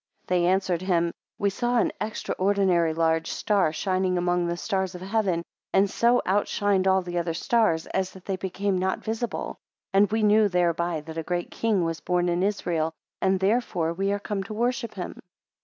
7 They answered him, We saw an extraordinary large star shining among the stars of heaven, and so out shined all the other stars, as that they became not visible, and we knew thereby that a great king was born in Israel, and therefore we are come to worship him.